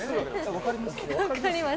分かります。